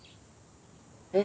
え？